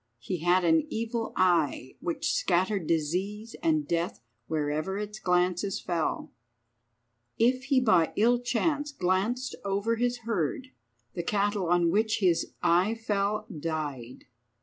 He had an evil eye, which scattered disease and death wherever its glances fell. If he by ill chance glanced over his herd, the cattle on which his eye fell died.